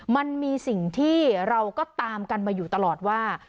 มันมีสิ่งที่เราก็ตามกันมาอยู่ตลอดว่า